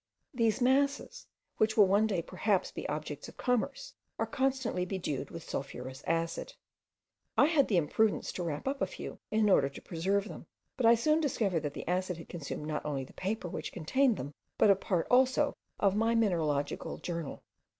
These masses, which will one day perhaps be objects of commerce, are constantly bedewed with sulphurous acid. I had the imprudence to wrap up a few, in order to preserve them, but I soon discovered that the acid had consumed not only the paper which contained them, but a part also of my mineralogical journal.